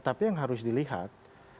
tapi yang harus dilihat